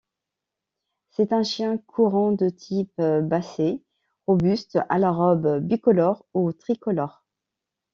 C'est un chien courant de type basset, robuste, à la robe bicolore ou tricolore.